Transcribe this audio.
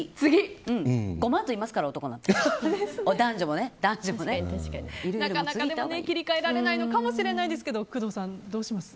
ごまんといますから男なんて男女もね。なかなかでも切り替えられないのかもしれないですけど工藤さん、どうします？